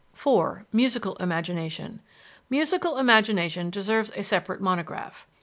IV MUSICAL IMAGINATION Musical imagination deserves a separate monograph.